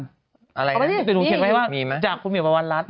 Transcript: จะดูเขียนไว้ให้ว่าจากคุณหมี่ประวันรัฐ